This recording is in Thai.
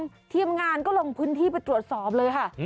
ทีมงานก็ลงพื้นที่ไปตรวจสอบเลยค่ะ